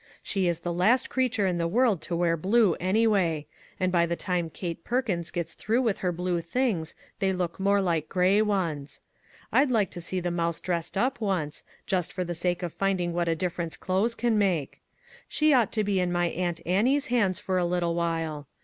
She is the last creature in the world to wear blue, anyway ; and by the time Kate Perkins gets through with her bjue things they look more like grey ones. I'd like to see the mouse dressed up once, just for the sake of rinding what a difference clothes can make. She ought to be in my Aunt Annie's hands for a little while.